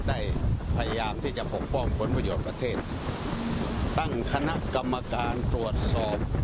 ได้พยายามที่จะปกป้องผลประโยชน์ประเทศตั้งคณะกรรมการตรวจสอบ